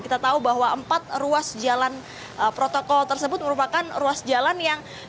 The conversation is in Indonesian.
kita tahu bahwa empat ruas jalan protokol tersebut merupakan ruas jalan yang